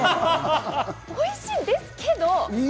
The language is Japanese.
おいしいですけど。